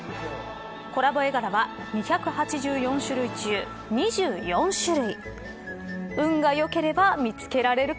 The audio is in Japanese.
コラボ絵柄は２８４種類中２４種類。